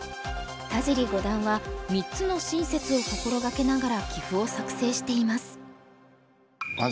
田尻五段は３つの親切を心がけながら棋譜を作成しています。